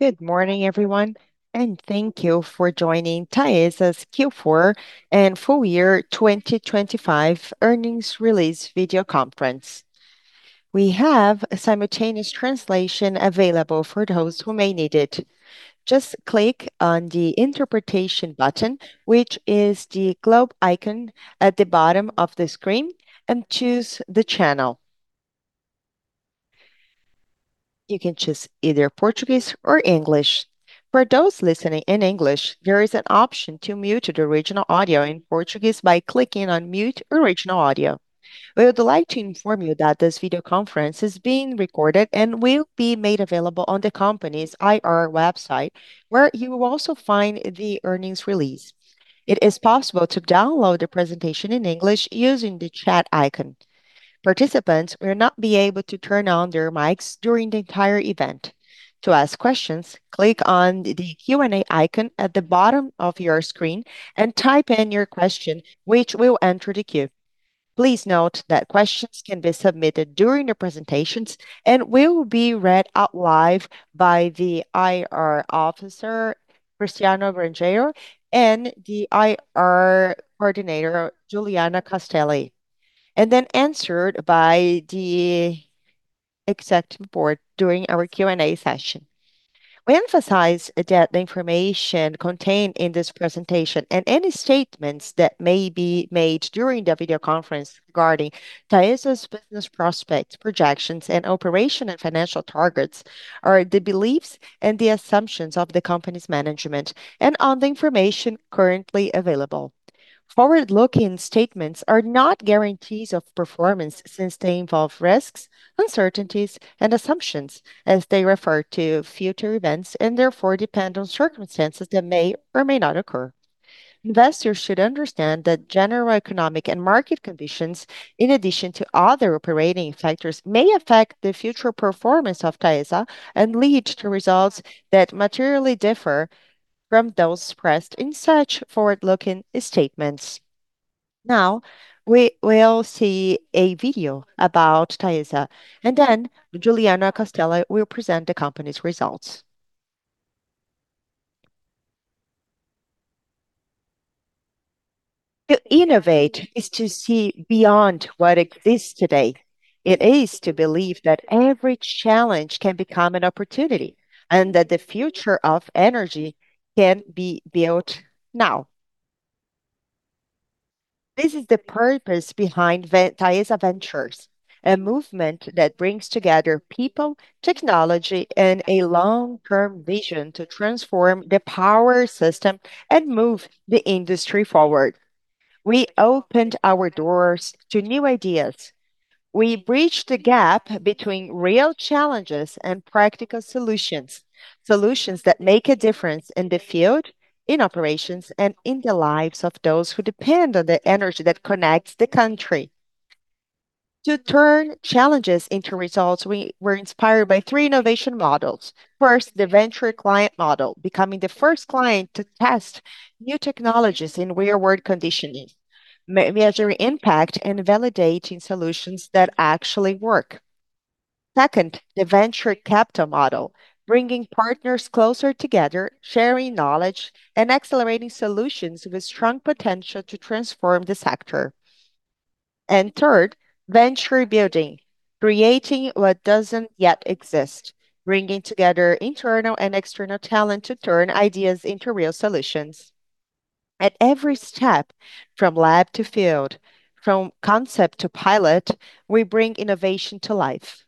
Good morning, everyone, and thank you for joining Taesa's Q4 and full year 2025 earnings release video conference. We have a simultaneous translation available for those who may need it. Just click on the interpretation button, which is the globe icon at the bottom of the screen, and choose the channel. You can choose either Portuguese or English. For those listening in English, there is an option to mute the original audio in Portuguese by clicking on Mute Original Audio. We would like to inform you that this video conference is being recorded and will be made available on the company's IR website, where you will also find the earnings release. It is possible to download the presentation in English using the chat icon. Participants will not be able to turn on their mics during the entire event. To ask questions, click on the Q&A icon at the bottom of your screen and type in your question, which will enter the queue. Please note that questions can be submitted during the presentations and will be read out live by the IR officer, Cristiano Grangeiro, and the IR coordinator, Juliana Castelli, and then answered by the executive board during our Q&A session. We emphasize that the information contained in this presentation and any statements that may be made during the video conference regarding Taesa's business prospects, projections, and operation and financial targets are the beliefs and the assumptions of the company's management and on the information currently available. Forward-looking statements are not guarantees of performance since they involve risks, uncertainties, and assumptions as they refer to future events and therefore depend on circumstances that may or may not occur. Investors should understand that general economic and market conditions, in addition to other operating factors, may affect the future performance of Taesa and lead to results that materially differ from those expressed in such forward-looking statements. Now, we will see a video about Taesa, and then Juliana Castelli will present the company's results. To innovate is to see beyond what exists today. It is to believe that every challenge can become an opportunity, and that the future of energy can be built now. This is the purpose behind Taesa Ventures, a movement that brings together people, technology, and a long-term vision to transform the power system and move the industry forward. We opened our doors to new ideas. We bridged the gap between real challenges and practical solutions that make a difference in the field, in operations, and in the lives of those who depend on the energy that connects the country. To turn challenges into results, we were inspired by 3 innovation models. First, the venture client model, becoming the first client to test new technologies in real-world conditions, measuring impact and validating solutions that actually work. Second, the venture capital model brings partners closer together, sharing knowledge and accelerating solutions with strong potential to transform the sector. Third, venture building, creating what doesn't yet exist, bringing together internal and external talent to turn ideas into real solutions. At every step, from lab to field, from concept to pilot, we bring innovation to life.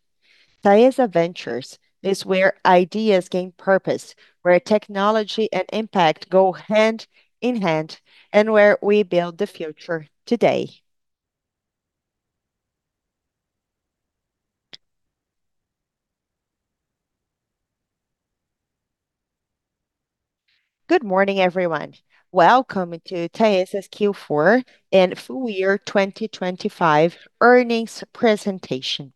Taesa Ventures is where ideas gain purpose, where technology and impact go hand in hand, and where we build the future today. Good morning, everyone. Welcome to Taesa's Q4 and full year 2025 earnings presentation.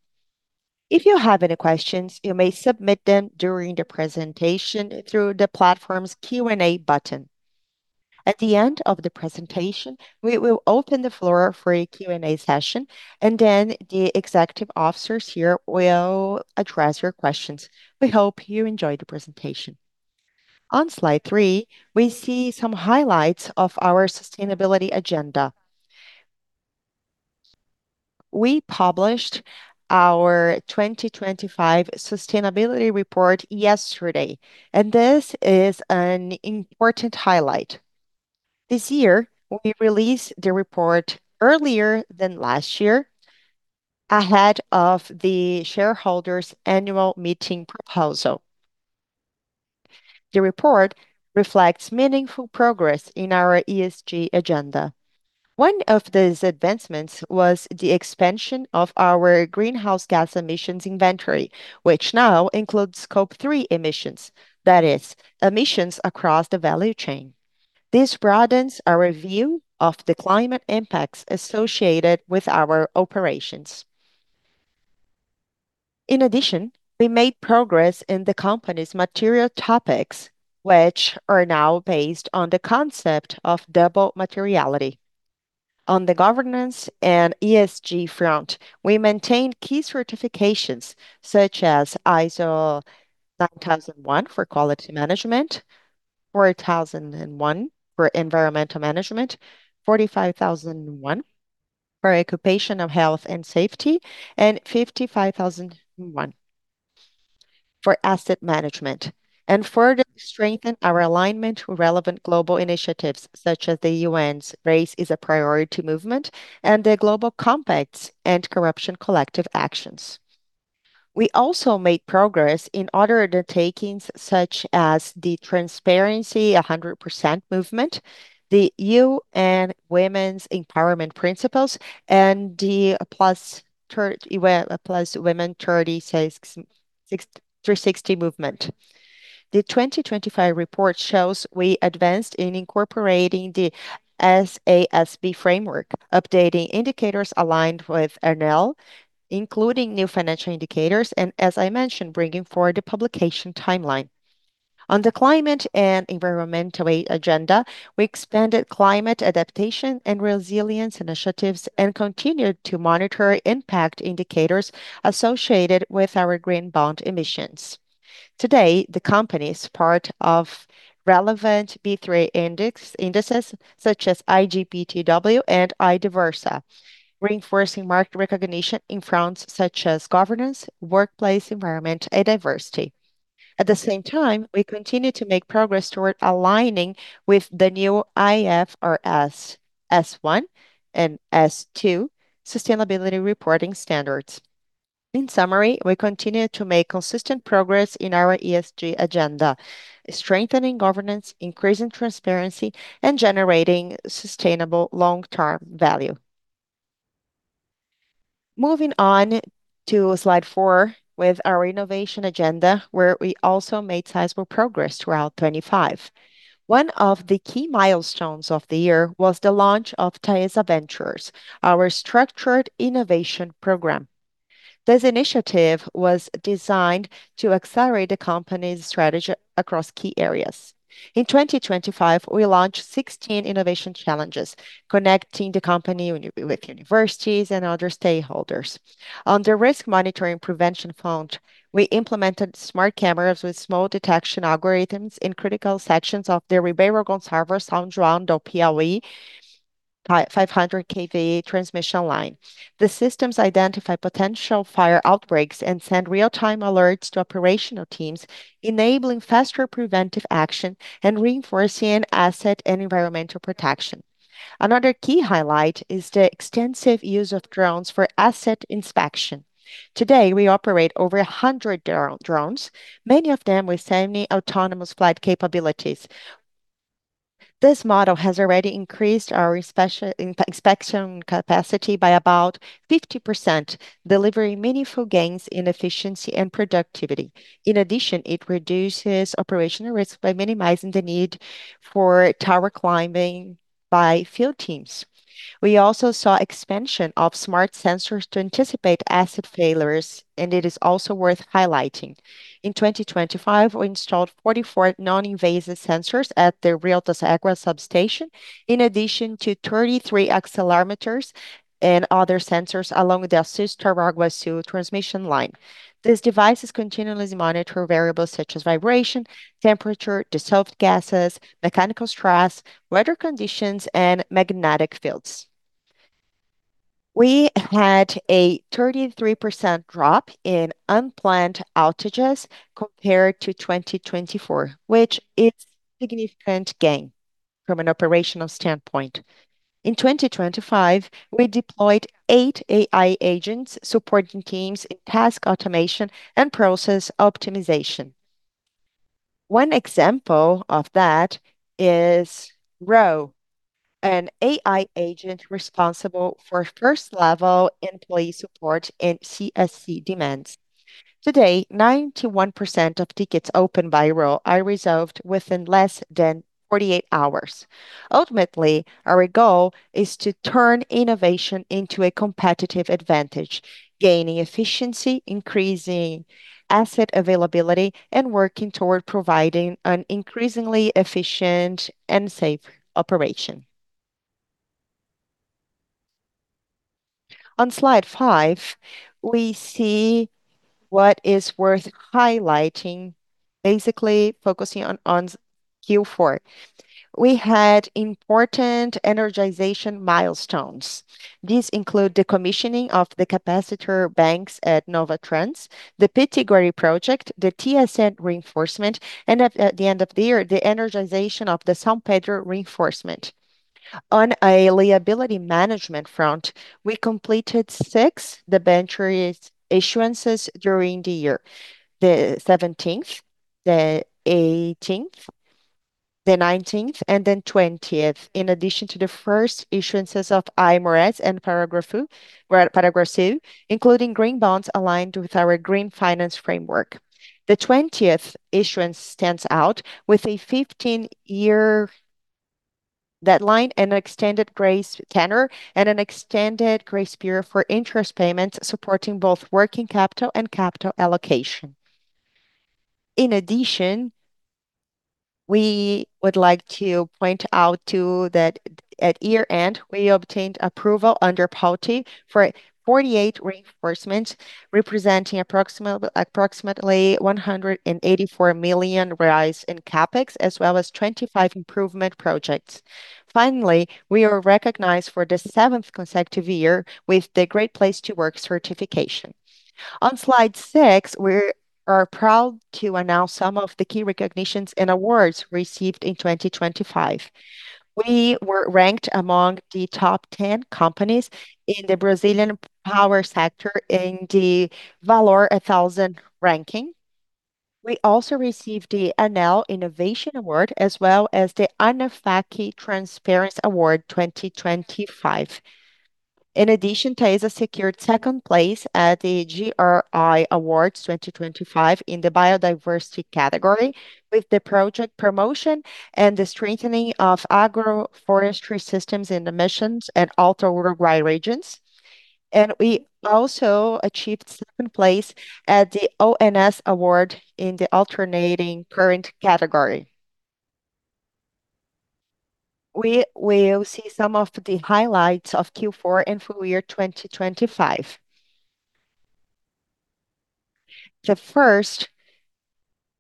If you have any questions, you may submit them during the presentation through the platform's Q&A button. At the end of the presentation, we will open the floor for a Q&A session, and then the executive officers here will address your questions. We hope you enjoy the presentation. On slide 3, we see some highlights of our sustainability agenda. We published our 2025 sustainability report yesterday, and this is an important highlight. This year, we released the report earlier than last year, ahead of the shareholders annual meeting proposal. The report reflects meaningful progress in our ESG agenda. One of these advancements was the expansion of our greenhouse gas emissions inventory, which now includes Scope 3 emissions. That is, emissions across the value chain. This broadens our review of the climate impacts associated with our operations. In addition, we made progress in the company's material topics, which are now based on the concept of double materiality. On the governance and ESG front, we maintain key certifications such as ISO 9001 for quality management, ISO 14001 for environmental management, ISO 45001 for occupational health and safety, and ISO 55001 for asset management, and further strengthen our alignment to relevant global initiatives such as the UN's Race is a Priority movement and the Global Compact's Anti-Corruption Collective Action. We also made progress in other undertakings such as the Transparência 100% movement, the UN Women's Empowerment Principles, and the +Mulheres 360 movement. The 2025 report shows we advanced in incorporating the SASB framework, updating indicators aligned with ANEEL, including new financial indicators and, as I mentioned, bringing forward the publication timeline. On the climate and environmentally agenda, we expanded climate adaptation and resilience initiatives and continued to monitor impact indicators associated with our green bond emissions. Today, the company is part of relevant B3 index, indices such as IGPTW and IDiversa, reinforcing market recognition in fronts such as governance, workplace environment, and diversity. At the same time, we continue to make progress toward aligning with the new IFRS S1 and S2 sustainability reporting standards. In summary, we continue to make consistent progress in our ESG agenda, strengthening governance, increasing transparency, and generating sustainable long-term value. Moving on to slide four with our innovation agenda, where we also made sizable progress throughout 2025. One of the key milestones of the year was the launch of Taesa Ventures, our structured innovation program. This initiative was designed to accelerate the company's strategy across key areas. In 2025, we launched 16 innovation challenges, connecting the company with universities and other stakeholders. On the risk monitoring prevention front, we implemented smart cameras with AI detection algorithms in critical sections of the Ribeirão Gonçalves - São João do Piauí 500 kV transmission line. The systems identify potential fire outbreaks and send real-time alerts to operational teams, enabling faster preventive action and reinforcing asset and environmental protection. Another key highlight is the extensive use of drones for asset inspection. Today, we operate over 100 drones, many of them with semi-autonomous flight capabilities. This model has already increased our inspection capacity by about 50%, delivering meaningful gains in efficiency and productivity. In addition, it reduces operational risk by minimizing the need for tower climbing by field teams. We also saw expansion of smart sensors to anticipate asset failures, and it is also worth highlighting. In 2025, we installed 44 non-invasive sensors at the Rio das Águas substation, in addition to 33 accelerometers and other sensors along the Açu-Taguará II transmission line. These devices continuously monitor variables such as vibration, temperature, dissolved gases, mechanical stress, weather conditions, and magnetic fields. We had a 33% drop in unplanned outages compared to 2024, which is significant gain from an operational standpoint. In 2025, we deployed 8 AI agents supporting teams in task automation and process optimization. One example of that is Rô, an AI agent responsible for first-level employee support in CSC demands. Today, 91% of tickets opened by Rô are resolved within less than 48 hours. Ultimately, our goal is to turn innovation into a competitive advantage, gaining efficiency, increasing asset availability, and working toward providing an increasingly efficient and safe operation. On slide 5, we see what is worth highlighting, basically focusing on Q4. We had important energization milestones. These include the commissioning of the capacitor banks at Novatrans, the Pitiguari project, the TSN reinforcement, and at the end of the year, the energization of the São Pedro reinforcement. On a liability management front, we completed six debenture issuances during the year: the seventeenth, the eighteenth, the nineteenth, and the twentieth, in addition to the first issuances of Aimorés and Paraguaçu, including green bonds aligned with our green finance framework. The twentieth issuance stands out with a 15-year deadline and an extended grace tenor and an extended grace period for interest payments supporting both working capital and capital allocation. In addition, we would like to point out too that at year-end, we obtained approval under POLTE for 48 reinforcements, representing approximately 184 million in CapEx, as well as 25 improvement projects. Finally, we are recognized for the seventh consecutive year with the Great Place to Work certification. On slide 6, we are proud to announce some of the key recognitions and awards received in 2025. We were ranked among the top ten companies in the Brazilian power sector in the Valor 1000 ranking. We also received the ANEEL Innovation Award, as well as the ANEFAC Transparency Award 2025. In addition, Taesa secured second place at the GRI Awards 2025 in the biodiversity category with the project promotion and the strengthening of agroforestry systems in the Missões and Alto Uruguai regions. We also achieved second place at the ONS Award in the alternating current category. We will see some of the highlights of Q4 and full year 2025. The first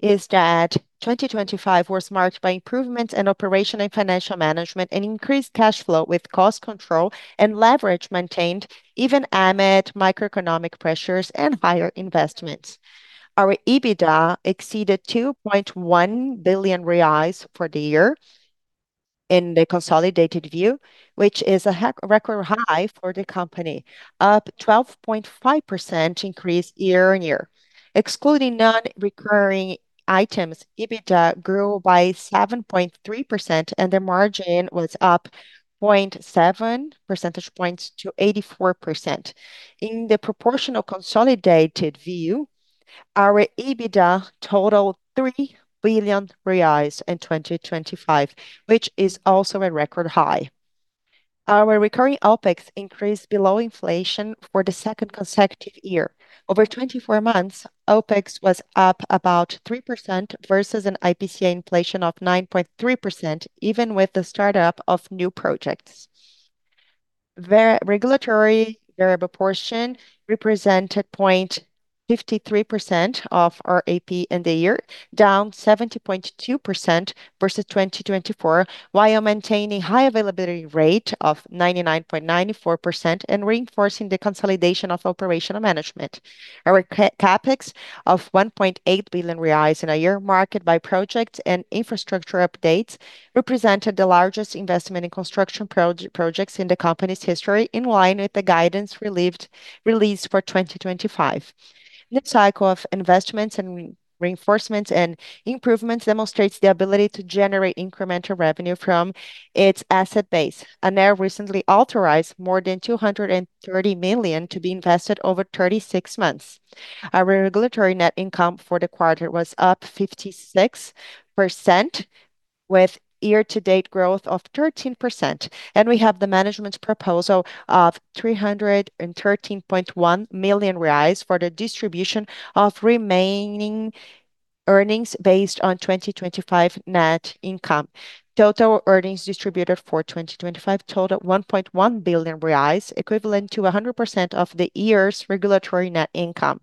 is that 2025 was marked by improvements in operation and financial management and increased cash flow with cost control and leverage maintained even amid microeconomic pressures and higher investments. Our EBITDA exceeded 2.1 billion reais for the year in the consolidated view, which is a record high for the company, up 12.5% year-on-year. Excluding non-recurring items, EBITDA grew by 7.3% and the margin was up 0.7 percentage points to 84%. In the proportional consolidated view, our EBITDA totaled 3 billion reais in 2025, which is also a record high. Our recurring OpEx increased below inflation for the second consecutive year. Over 24 months, OpEx was up about 3% versus an IPCA inflation of 9.3%, even with the startup of new projects. Regulatory variable portion represented 0.53% of our AP in the year, down 70.2% versus 2024, while maintaining high availability rate of 99.94% and reinforcing the consolidation of operational management. Our CapEx of 1.8 billion reais in a year, marked by projects and infrastructure updates, represented the largest investment in construction projects in the company's history, in line with the guidance released for 2025. The cycle of investments and reinforcements and improvements demonstrates the ability to generate incremental revenue from its asset base. ANEEL recently authorized more than 230 million to be invested over 36 months. Our regulatory net income for the quarter was up 56% with year to date growth of 13%, and we have the management's proposal of 313.1 million reais for the distribution of remaining earnings based on 2025 net income. Total earnings distributed for 2025 totaled 1.1 billion reais, equivalent to 100% of the year's regulatory net income.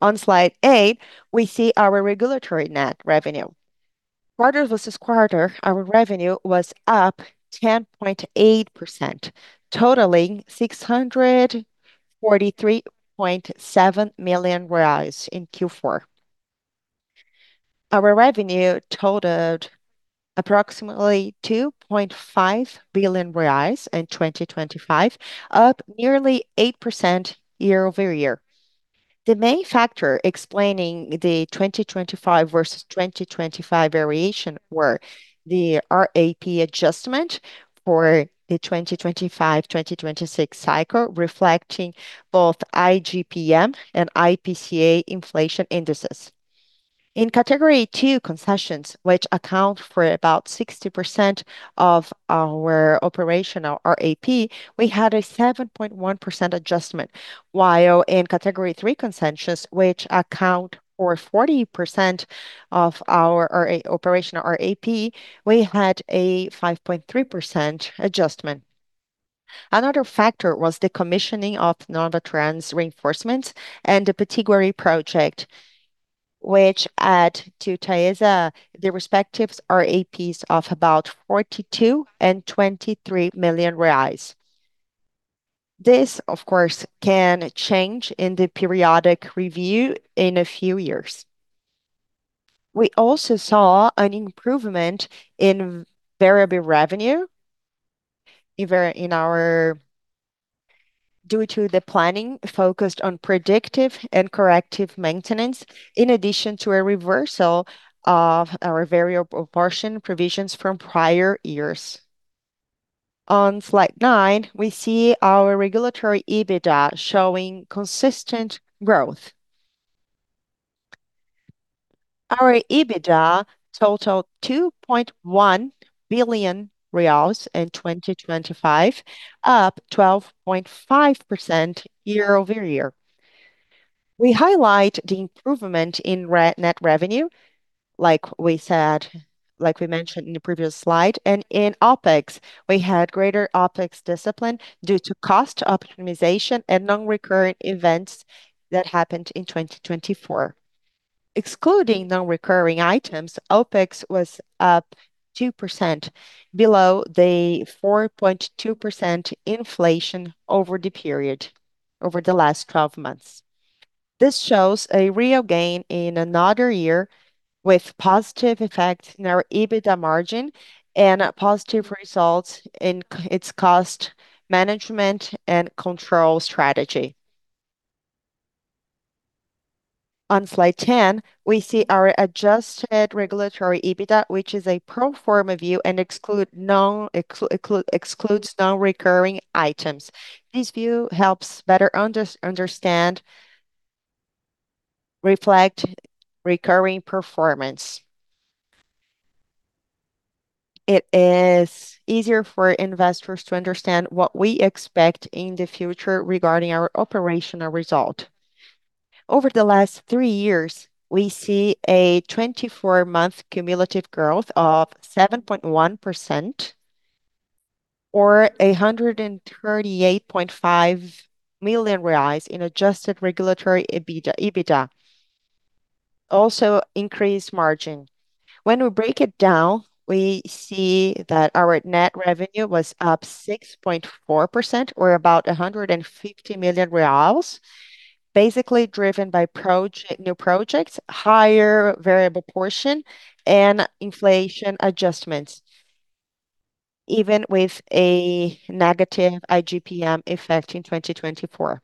On slide eight, we see our regulatory net revenue. Quarter versus quarter, our revenue was up 10.8%, totaling BRL 643.7 million in Q4. Our revenue totaled approximately 2.5 billion reais in 2025, up nearly 8% year over year. The main factor explaining the 2025 versus 2025 variation were the RAP adjustment for the 2025/2026 cycle, reflecting both IGPM and IPCA inflation indices. In category two concessions, which account for about 60% of our operational RAP, we had a 7.1% adjustment, while in category three concessions, which account for 40% of our operational RAP, we had a 5.3% adjustment. Another factor was the commissioning of Novatrans reinforcements and the Pitiguari project, which add to Taesa the respective RAPs of about 42 million and 23 million reais. This, of course, can change in the periodic review in a few years. We also saw an improvement in variable revenue. Due to the planning focused on predictive and corrective maintenance, in addition to a reversal of our variable portion provisions from prior years. On slide nine, we see our regulatory EBITDA showing consistent growth. Our EBITDA totaled 2.1 billion reais in 2025, up 12.5% year-over-year. We highlight the improvement in regulatory net revenue, like we said, like we mentioned in the previous slide. In OpEx, we had greater OpEx discipline due to cost optimization and non-recurring events that happened in 2024. Excluding non-recurring items, OpEx was up 2% below the 4.2% inflation over the period, over the last 12 months. This shows a real gain in another year with positive effect in our EBITDA margin and a positive result in its cost management and control strategy. On slide 10, we see our adjusted regulatory EBITDA, which is a pro forma view and excludes known non-recurring items. This view helps better understand reflect recurring performance. It is easier for investors to understand what we expect in the future regarding our operational result. Over the last three years, we see a 24-month cumulative growth of 7.1% or 138.5 million reais in adjusted regulatory EBITDA. Also increased margin. When we break it down, we see that our net revenue was up 6.4% or about 150 million reais, basically driven by new projects, higher variable portion, and inflation adjustments, even with a negative IGPM effect in 2024.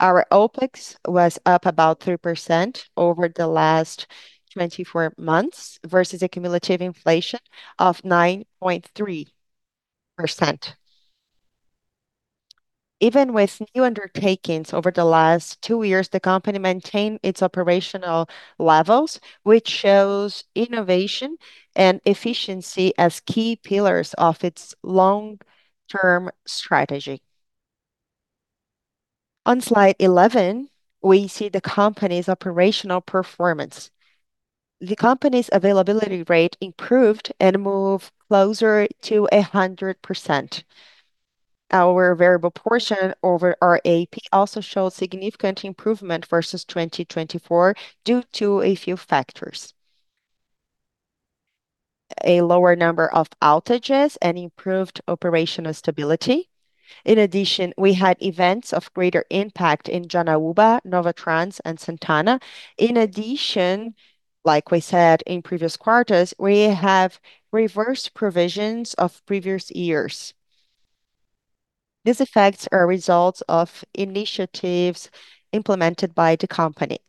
Our OpEx was up about 3% over the last 24 months versus a cumulative inflation of 9.3%. Even with new undertakings over the last two years, the company maintained its operational levels, which shows innovation and efficiency as key pillars of its long-term strategy. On slide 11, we see the company's operational performance. The company's availability rate improved and moved closer to 100%. Our variable portion over our AP also showed significant improvement versus 2024 due to a few factors, a lower number of outages and improved operational stability. We had events of greater impact in Janaúba, Novatrans, and Santana. Like we said in previous quarters, we have reversed provisions of previous years. These effects are results of initiatives implemented by the company,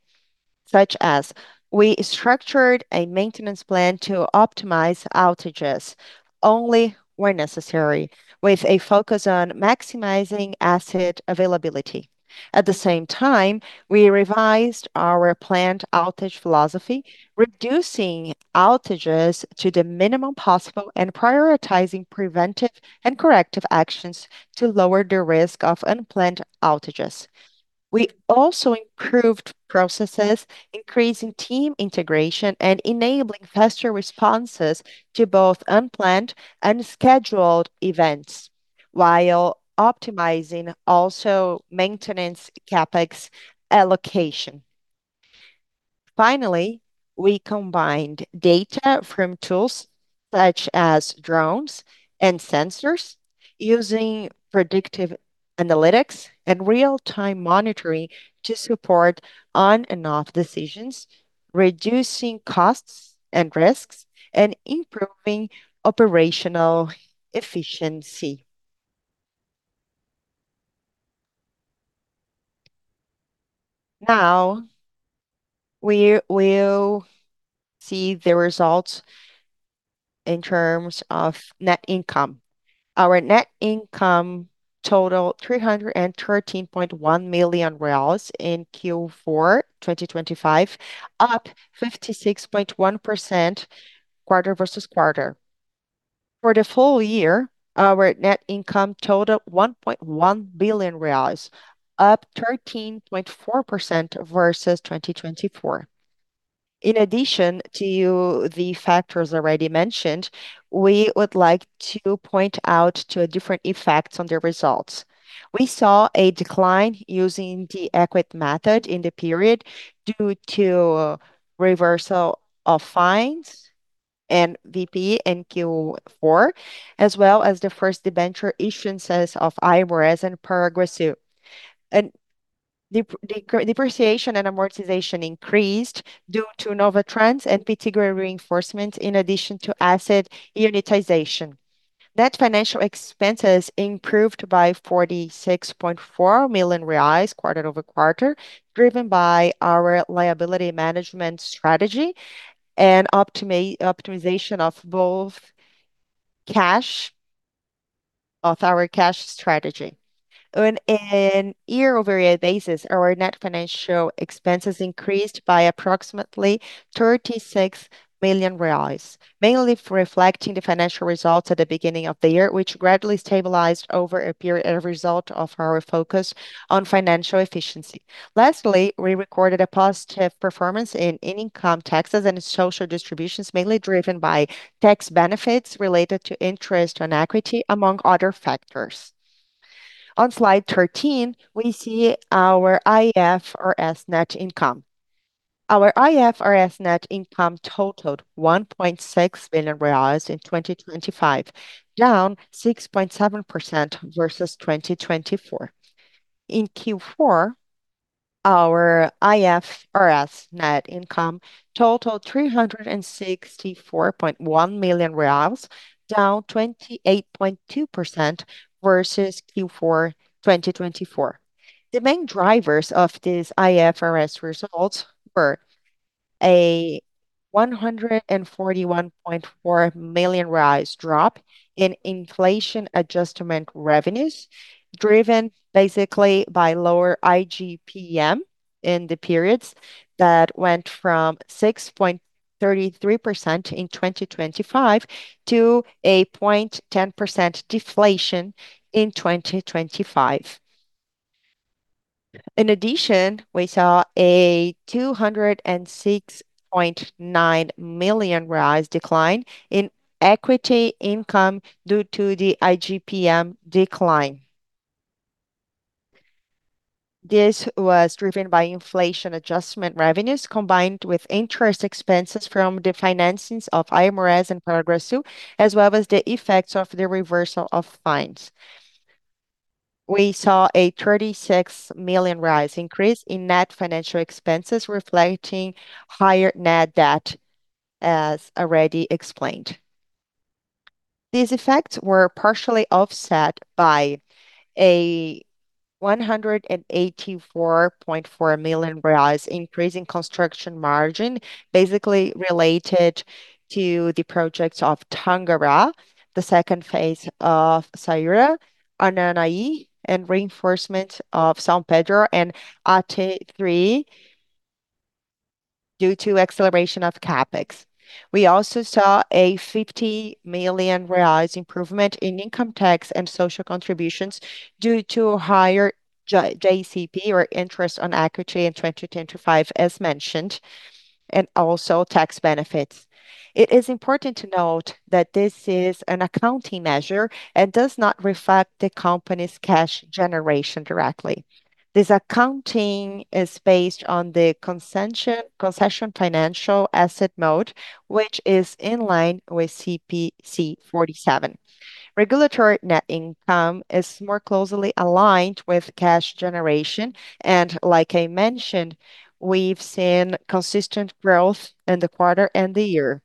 such as we structured a maintenance plan to optimize outages only where necessary, with a focus on maximizing asset availability. At the same time, we revised our planned outage philosophy, reducing outages to the minimum possible and prioritizing preventive and corrective actions to lower the risk of unplanned outages. We also improved processes, increasing team integration and enabling faster responses to both unplanned and scheduled events, while optimizing also maintenance CapEx allocation. Finally, we combined data from tools such as drones and sensors using predictive analytics and real-time monitoring to support on and off decisions, reducing costs and risks, and improving operational efficiency. Now, we will see the results in terms of net income. Our net income totaled 313.1 million reais in Q4 2025, up 56.1% quarter-over-quarter. For the full year, our net income totaled 1.1 billion reais, up 13.4% versus 2024. In addition to the factors already mentioned, we would like to point out two different effects on the results. We saw a decline using the equity method in the period due to reversal of fines and VP in Q4, as well as the first debenture issuances of Aimorés and Progresso. Depreciation and amortization increased due to Novatrans and Pitiguari reinforcements in addition to asset unitization. Net financial expenses improved by 46.4 million reais quarter-over-quarter, driven by our liability management strategy and optimization of both cash and our cash strategy. On a year-over-year basis, our net financial expenses increased by approximately 36 million reais, mainly from reflecting the financial results at the beginning of the year, which gradually stabilized over a period, a result of our focus on financial efficiency. Lastly, we recorded a positive performance in income taxes and social contributions, mainly driven by tax benefits related to interest on equity, among other factors. On slide 13, we see our IFRS net income. Our IFRS net income totaled 1.6 billion reais in 2025, down 6.7% versus 2024. In Q4, our IFRS net income totaled 364.1 million reais, down 28.2% versus Q4 2024. The main drivers of this IFRS results were a 141.4 million drop in inflation adjustment revenues, driven basically by lower IGPM in the periods that went from 6.33% in 2025 to 1.10% deflation in 2025. In addition, we saw a 206.9 million decline in equity income due to the IGPM decline. This was driven by inflation adjustment revenues combined with interest expenses from the financings of MRs and Progresso, as well as the effects of the reversal of fines. We saw a 36 million increase in net financial expenses reflecting higher net debt as already explained. These effects were partially offset by a 184.4 million reais increase in construction margin, basically related to the projects of Tangará, the second phase of Saíra, Ananindeua, and reinforcement of São Pedro and ATE III due to acceleration of CapEx. We also saw a 50 million improvement in income tax and social contributions due to higher JCP or interest on equity in 2025 as mentioned, and also tax benefits. It is important to note that this is an accounting measure and does not reflect the company's cash generation directly. This accounting is based on the concession financial asset model, which is in line with CPC 47. Regulatory net income is more closely aligned with cash generation and, like I mentioned, we've seen consistent growth in the quarter and the year.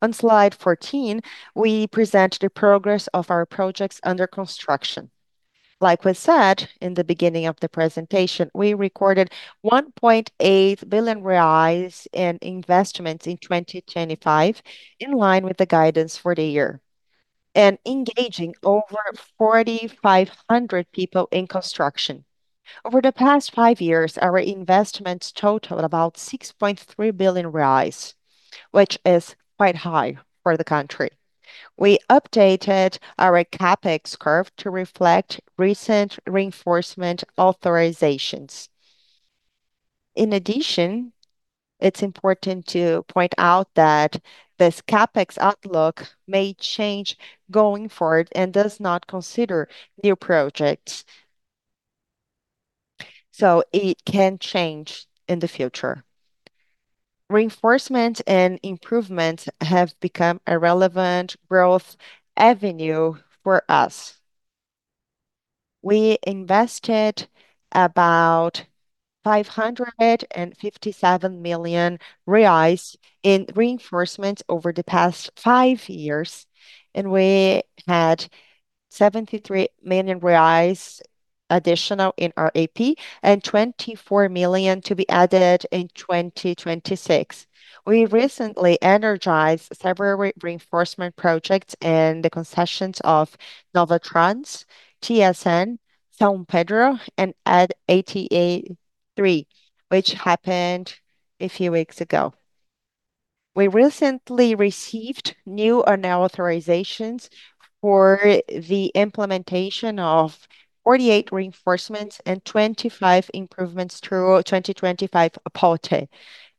On slide 14, we present the progress of our projects under construction. Like we said, in the beginning of the presentation, we recorded 1.8 billion reais in investments in 2025, in line with the guidance for the year, and engaging over 4,500 people in construction. Over the past five years, our investments total about 6.3 billion reais, which is quite high for the country. We updated our CapEx curve to reflect recent reinforcement authorizations. In addition, it's important to point out that this CapEx outlook may change going forward and does not consider new projects. It can change in the future. Reinforcement and improvement have become a relevant growth avenue for us. We invested about 557 million reais in reinforcements over the past five years, and we had 73 million reais additional in our AP and 24 million to be added in 2026. We recently energized several reinforcement projects in the concessions of Novatrans, TSN, São Pedro, and at ATE III, which happened a few weeks ago. We recently received new ANEEL authorizations for the implementation of 48 reinforcements and 25 improvements through our 2025 APalte,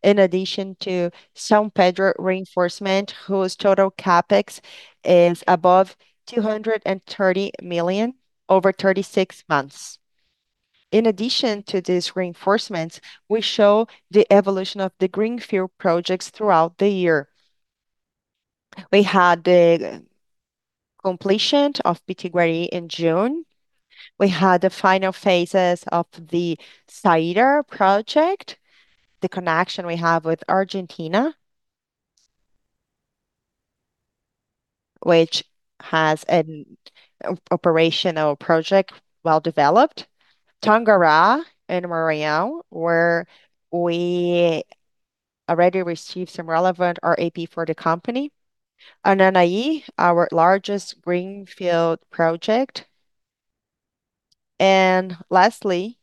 in addition to São Pedro reinforcement, whose total CapEx is above 230 million over 36 months. In addition to these reinforcements, we show the evolution of the greenfield projects throughout the year. We had the completion of Pitiguari in June. We had the final phases of the Saíra project, the connection we have with Argentina, which has an operational project well-developed. Tangará in Maranhão, where we already received some relevant RAP for the company. Ananaí, our largest greenfield project. Lastly,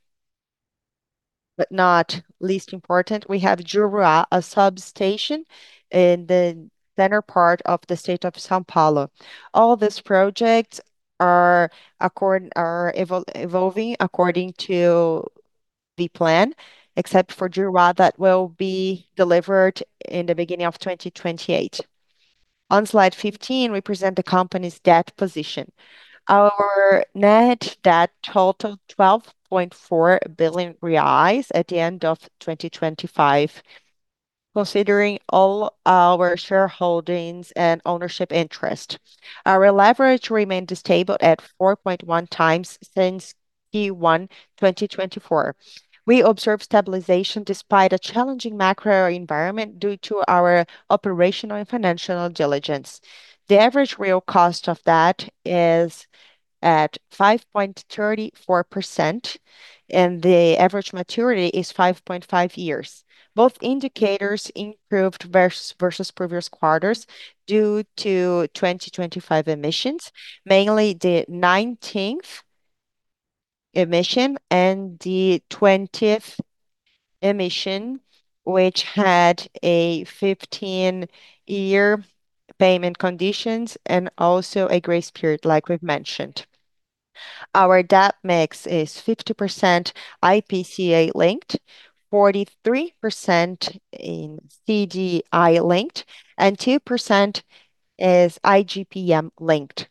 but not least important, we have Juruá, a substation in the center part of the state of São Paulo. All these projects are evolving according to the plan, except for Juruá that will be delivered in the beginning of 2028. On slide 15, we present the company's debt position. Our net debt totals 12.4 billion reais at the end of 2025, considering all our shareholdings and ownership interest. Our leverage remained stable at 4.1x since Q1 2024. We observed stabilization despite a challenging macro environment due to our operational and financial diligence. The average real cost of that is at 5.34%, and the average maturity is 5.5 years. Both indicators improved versus previous quarters due to 2025 emissions, mainly the 19th emission and the 20th emission, which had a 15-year payment conditions and also a grace period, like we've mentioned. Our debt mix is 50% IPCA-linked, 43% in CDI-linked, and 2% is IGPM-linked.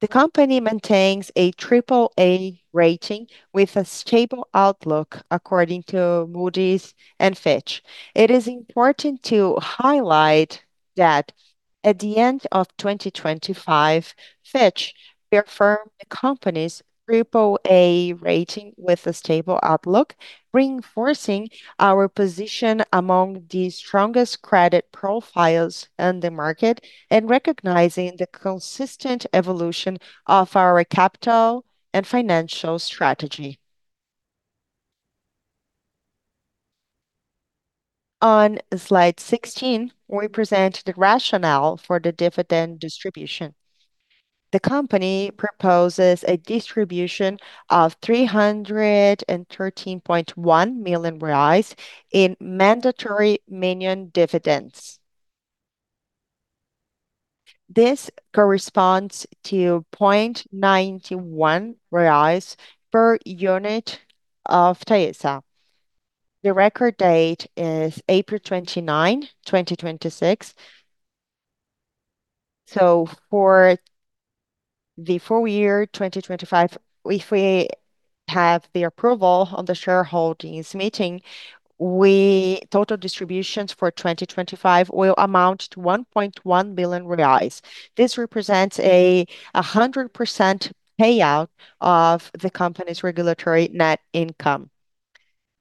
The company maintains a AAA rating with a stable outlook according to Moody's and Fitch. It is important to highlight that at the end of 2025, Fitch reaffirmed the company's AAA rating with a stable outlook, reinforcing our position among the strongest credit profiles in the market and recognizing the consistent evolution of our capital and financial strategy. On slide 16, we present the rationale for the dividend distribution. The company proposes a distribution of 313.1 million reais in mandatory minimum dividends. This corresponds to 0.91 reais per unit of Taesa. The record date is April 29, 2026. For the full year 2025, if we have the approval of the shareholders meeting, total distributions for 2025 will amount to 1.1 billion reais. This represents a 100% payout of the company's regulatory net income.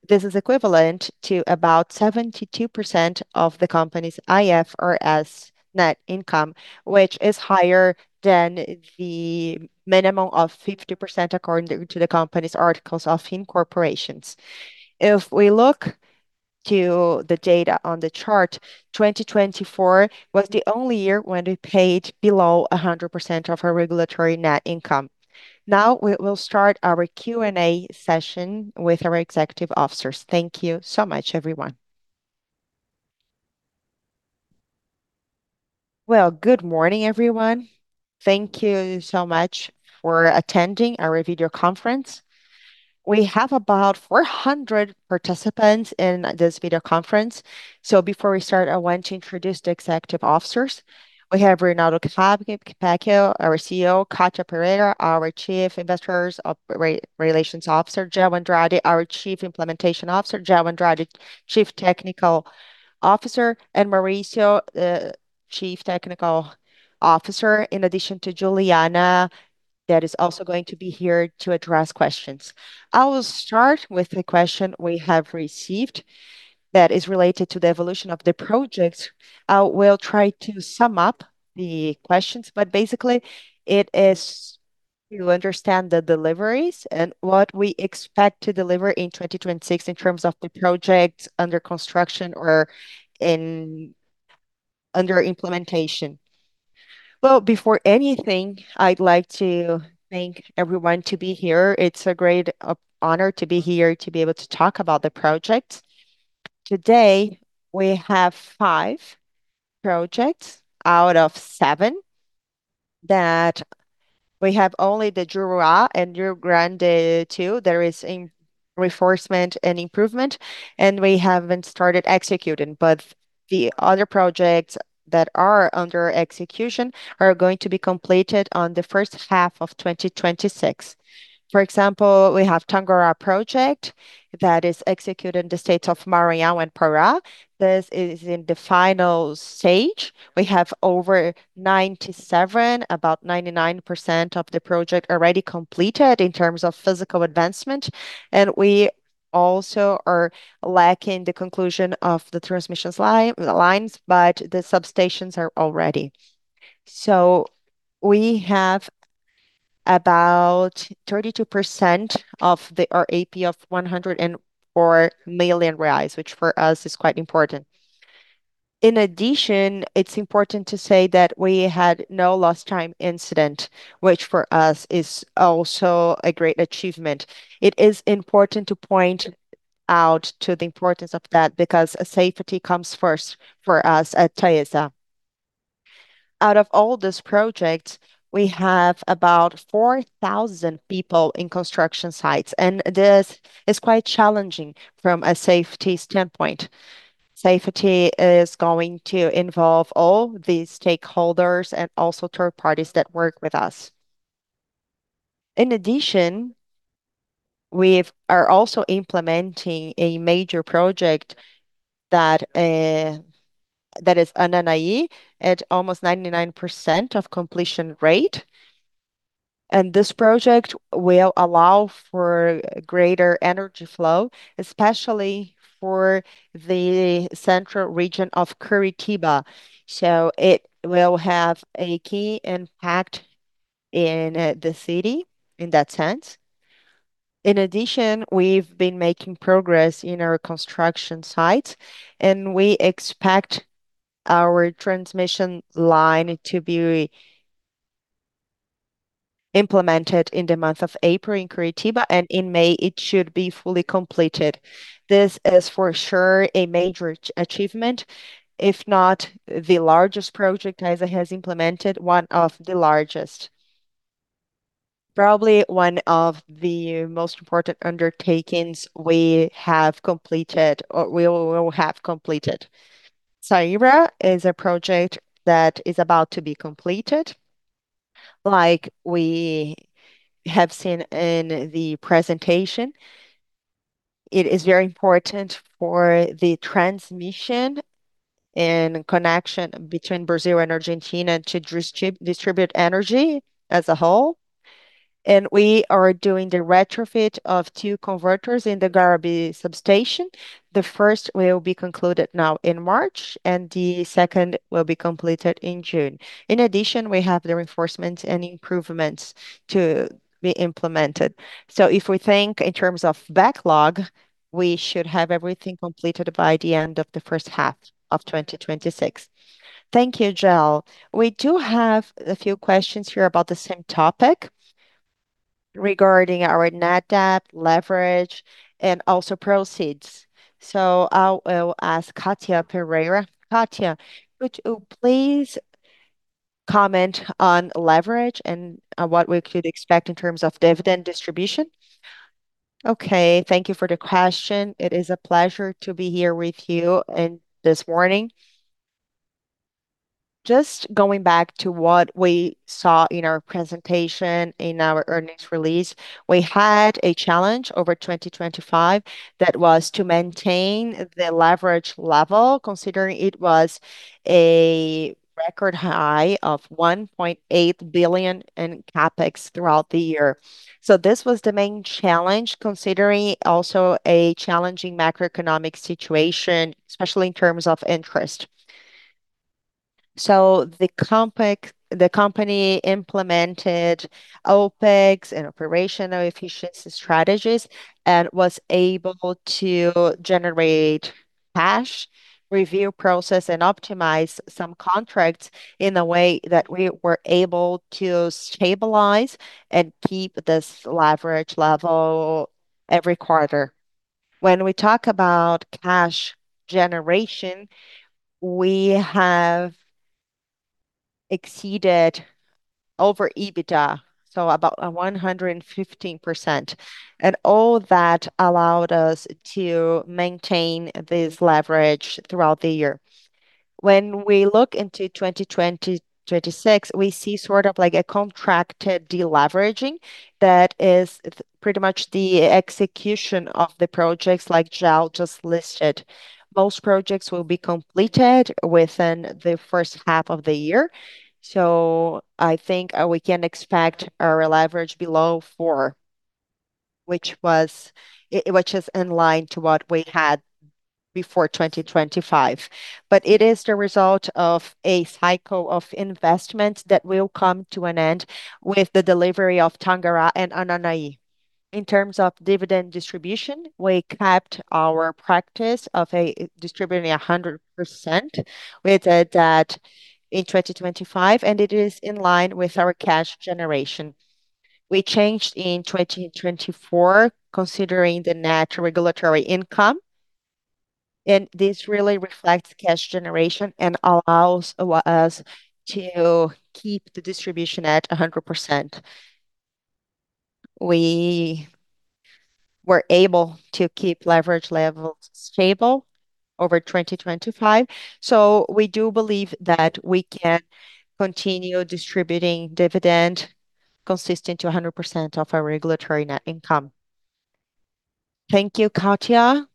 This is equivalent to about 72% of the company's IFRS net income, which is higher than the minimum of 50% according to the company's articles of incorporation. If we look at the data on the chart, 2024 was the only year when we paid below 100% of our regulatory net income. Now we will start our Q&A session with our executive officers. Thank you so much, everyone. Well, good morning, everyone. Thank you so much for attending our video conference. We have about 400 participants in this video conference. Before we start, I want to introduce the executive officers. We have Rinaldo Pecchio Jr. Our CEO. Catia Pereira, our Chief Financial and Investor Relations Officer. João Andrade, our Chief Implementation Officer. And Mauricio Pecchio, Chief Technical Officer. In addition to Juliana Castelli, who is also going to be here to address questions. I will start with the question we have received that is related to the evolution of the projects. We'll try to sum up the questions, but basically it is to understand the deliveries and what we expect to deliver in 2026 in terms of the projects under construction or under implementation. Well, before anything, I'd like to thank everyone for being here. It's a great honor to be here to be able to talk about the projects. Today, we have 5 projects out of 7 that we have only the Juruá and Rio Grande II, there is reinforcement and improvement, and we haven't started executing. The other projects that are under execution are going to be completed on the first half of 2026. For example, we have Tangará project that is executed in the states of Maranhão and Pará. This is in the final stage. We have over 97%, about 99% of the project already completed in terms of physical advancement. We also are lacking the conclusion of the transmission lines, but the substations are already. We have about 32% of our AP of 104 million reais, which for us is quite important. In addition, it's important to say that we had no lost time incident, which for us is also a great achievement. It is important to point out the importance of that because safety comes first for us at Taesa. Out of all these projects, we have about 4,000 people in construction sites, and this is quite challenging from a safety standpoint. Safety is going to involve all these stakeholders and also third parties that work with us. In addition, we are also implementing a major project that is Ananindeua at almost 99% completion rate. This project will allow for greater energy flow, especially for the central region of Curitiba, so it will have a key impact in the city in that sense. In addition, we've been making progress in our construction sites, and we expect our transmission line to be implemented in the month of April in Curitiba, and in May, it should be fully completed. This is, for sure, a major achievement. If not, the largest project Taesa has implemented, one of the largest. Probably one of the most important undertakings we have completed or we will have completed. Saíra is a project that is about to be completed. Like we have seen in the presentation, it is very important for the transmission and connection between Brazil and Argentina to distribute energy as a whole. We are doing the retrofit of two converters in the Garabi Substation. The first will be concluded now in March, and the second will be completed in June. In addition, we have the reinforcements and improvements to be implemented. If we think in terms of backlog, we should have everything completed by the end of the first half of 2026. Thank you, Jal. We do have a few questions here about the same topic regarding our net debt leverage and also proceeds. I will ask Catia Pereira. Catia, would you please comment on leverage and on what we could expect in terms of dividend distribution? Okay, thank you for the question. It is a pleasure to be here with you this morning. Just going back to what we saw in our presentation, in our earnings release, we had a challenge over 2025 that was to maintain the leverage level, considering it was a record high of 1.8 billion in CapEx throughout the year. This was the main challenge, considering also a challenging macroeconomic situation, especially in terms of interest. The company implemented OpEx and operational efficiency strategies and was able to generate cash, review process, and optimize some contracts in a way that we were able to stabilize and keep this leverage level every quarter. When we talk about cash generation, we have exceeded over EBITDA, so about 115%. All that allowed us to maintain this leverage throughout the year. When we look into 2026, we see sort of like a contracted deleveraging that is pretty much the execution of the projects like Jal just listed. Most projects will be completed within the first half of the year, so I think we can expect our leverage below 4, which is in line to what we had before 2025. It is the result of a cycle of investments that will come to an end with the delivery of Tangará and Ananaí. In terms of dividend distribution, we kept our practice of distributing 100% with the debt in 2025, and it is in line with our cash generation. We changed in 2024, considering the net regulatory income, and this really reflects cash generation and allows us to keep the distribution at 100%. We were able to keep leverage levels stable over 2025, so we do believe that we can continue distributing dividend consistent to 100% of our regulatory net income. Thank you, Catia.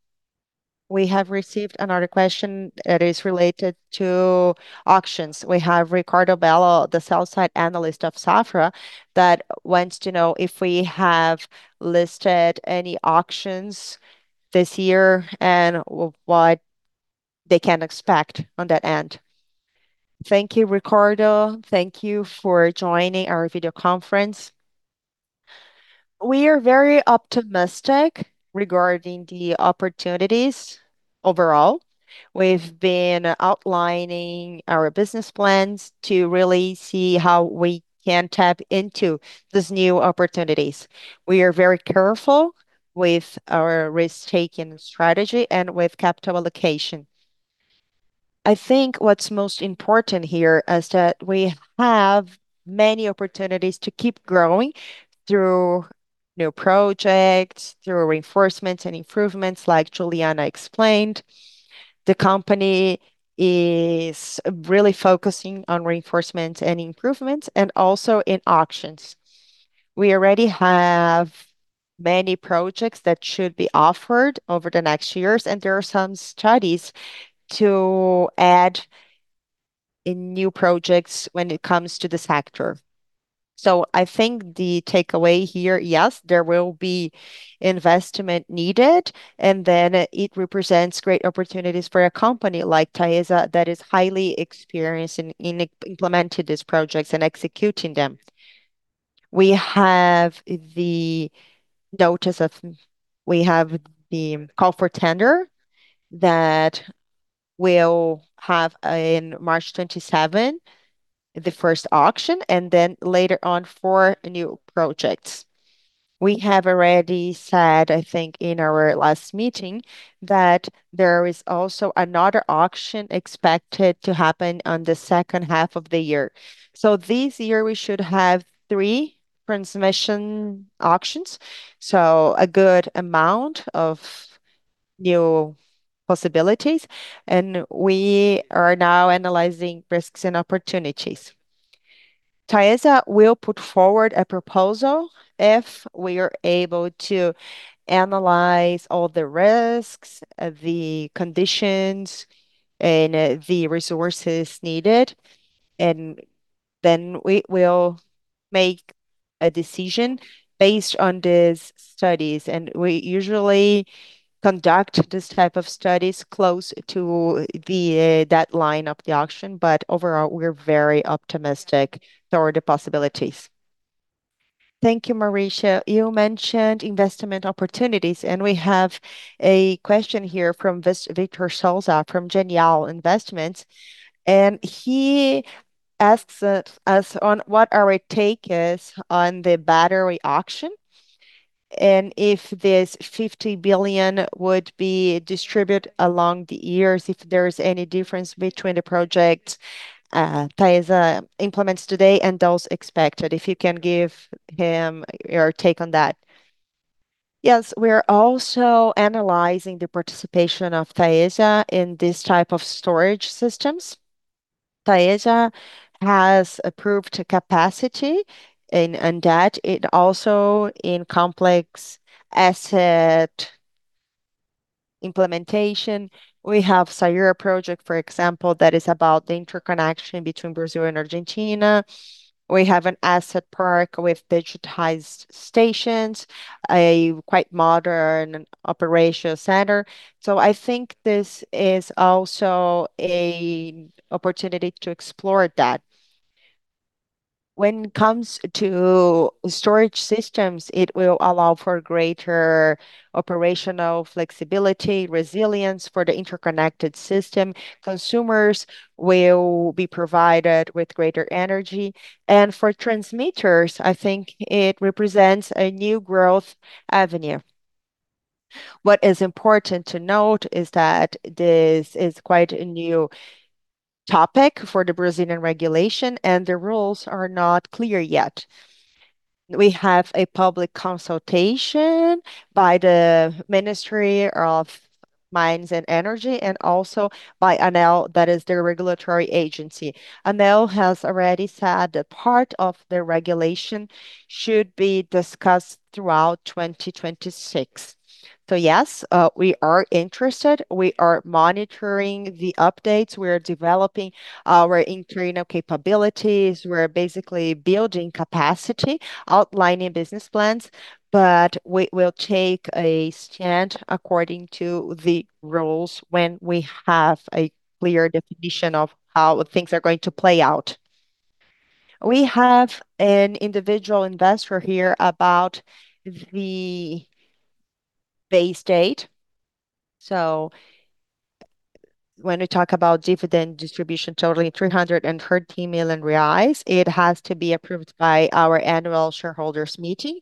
We have received another question that is related to auctions. We have Ricardo Bello, the sell-side analyst of Safra, that wants to know if we have listed any auctions this year and what they can expect on that end. Thank you, Ricardo. Thank you for joining our video conference. We are very optimistic regarding the opportunities overall. We've been outlining our business plans to really see how we can tap into these new opportunities. We are very careful with our risk-taking strategy and with capital allocation. I think what's most important here is that we have many opportunities to keep growing through new projects, through reinforcements and improvements, like Juliana explained. The company is really focusing on reinforcements and improvements, and also in auctions. We already have many projects that should be offered over the next years, and there are some studies to add in new projects when it comes to this factor. I think the takeaway here, yes, there will be investment needed, and then it represents great opportunities for a company like Taesa that is highly experienced in implementing these projects and executing them. We have the call for tender that will have in March 2027 the first auction, and then later on four new projects. We have already said, I think in our last meeting, that there is also another auction expected to happen on the second half of the year. This year we should have three transmission auctions, so a good amount of new possibilities, and we are now analyzing risks and opportunities. Taesa will put forward a proposal if we are able to analyze all the risks, the conditions, and the resources needed, and then we will make a decision based on these studies. We usually conduct these type of studies close to the deadline of the auction. Overall, we're very optimistic toward the possibilities. Thank you, Maurício. You mentioned investment opportunities, and we have a question here from Vitor Sousa from Genial Investimentos, and he asks us on what our take is on the battery auction, and if this 50 billion would be distributed along the years, if there's any difference between the projects Taesa implements today and those expected. If you can give him your take on that. Yes. We're also analyzing the participation of Taesa in these type of storage systems. Taesa has approved capacity in that. It is also in complex asset implementation. We have Saíra project, for example, that is about the interconnection between Brazil and Argentina. We have an asset park with digitized stations, a quite modern operation center. I think this is also an opportunity to explore that. When it comes to storage systems, it will allow for greater operational flexibility, resilience for the interconnected system. Consumers will be provided with greater energy, and for transmitters, I think it represents a new growth avenue. What is important to note is that this is quite a new topic for the Brazilian regulation, and the rules are not clear yet. We have a public consultation by the Ministry of Mines and Energy, and also by ANEEL, that is their regulatory agency. ANEEL has already said that part of the regulation should be discussed throughout 2026. Yes, we are interested. We are monitoring the updates. We are developing our internal capabilities. We're basically building capacity, outlining business plans, but we will take a stand according to the rules when we have a clear definition of how things are going to play out. We have an individual investor here about the base date. When we talk about dividend distribution totaling 330 million reais, it has to be approved by our annual shareholders meeting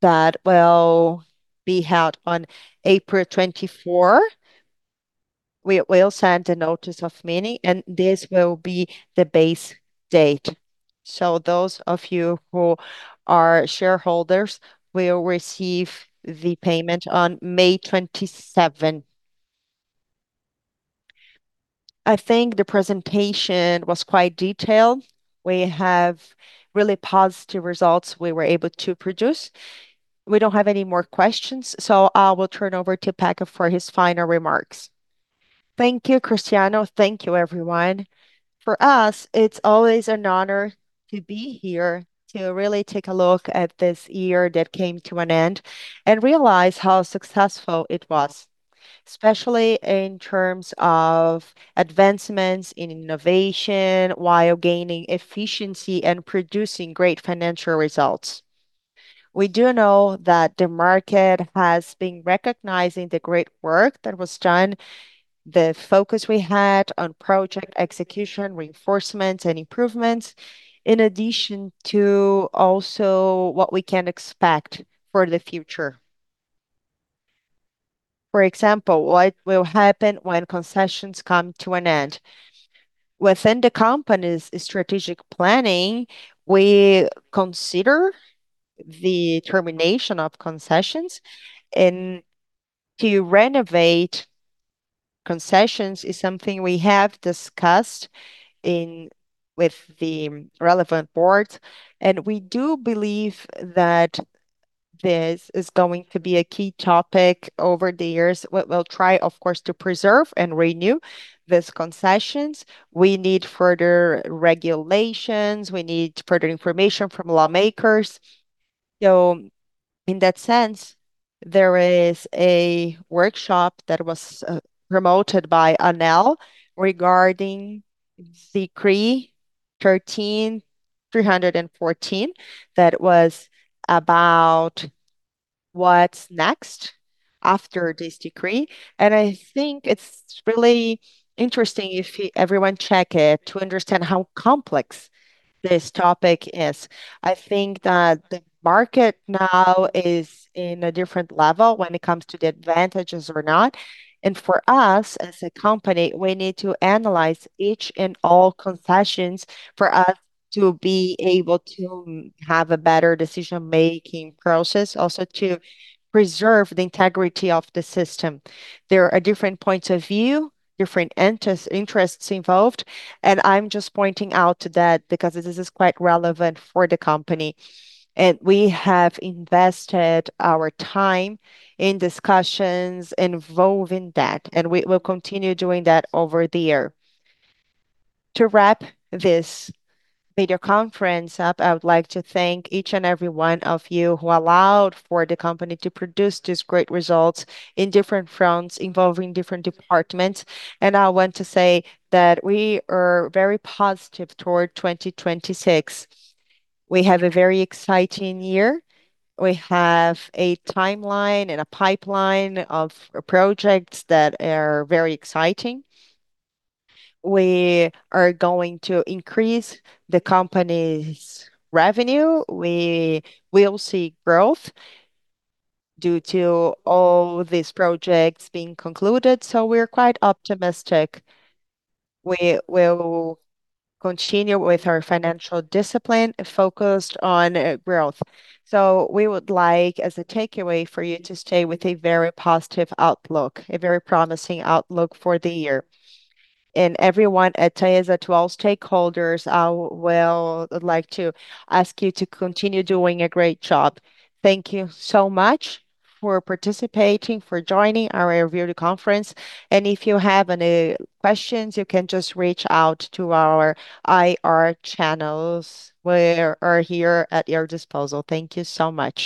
that will be held on April 24. We'll send a notice of meeting, and this will be the base date. Those of you who are shareholders will receive the payment on May 27. I think the presentation was quite detailed. We have really positive results we were able to produce. We don't have any more questions, so I will turn over to Paco for his final remarks. Thank you, Cristiano. Thank you, everyone. For us, it's always an honor to be here to really take a look at this year that came to an end and realize how successful it was, especially in terms of advancements, in innovation, while gaining efficiency and producing great financial results. We do know that the market has been recognizing the great work that was done, the focus we had on project execution, reinforcement, and improvements, in addition to also what we can expect for the future. For example, what will happen when concessions come to an end. Within the company's strategic planning, we consider the termination of concessions and to renovate concessions is something we have discussed in, with the relevant boards, and we do believe that this is going to be a key topic over the years. We'll try, of course, to preserve and renew these concessions. We need further regulations. We need further information from lawmakers. In that sense, there is a workshop that was promoted by ANEEL regarding Decree 13314, that was about what's next after this decree. I think it's really interesting if everyone check it to understand how complex this topic is. I think that the market now is in a different level when it comes to the advantages or not, and for us, as a company, we need to analyze each and all concessions for us to be able to have a better decision-making process, also to preserve the integrity of the system. There are different points of view, different interests involved, and I'm just pointing out that because this is quite relevant for the company. We have invested our time in discussions involving that, and we will continue doing that over the year. To wrap this video conference up, I would like to thank each and every one of you who allowed for the company to produce these great results in different fronts involving different departments, and I want to say that we are very positive toward 2026. We have a very exciting year. We have a timeline and a pipeline of projects that are very exciting. We are going to increase the company's revenue. We will see growth due to all these projects being concluded, so we're quite optimistic. We will continue with our financial discipline focused on, growth. We would like, as a takeaway, for you to stay with a very positive outlook, a very promising outlook for the year. Everyone at Taesa, to all stakeholders, would like to ask you to continue doing a great job. Thank you so much for participating, for joining our yearly conference. If you have any questions, you can just reach out to our IR channels. We are here at your disposal. Thank you so much.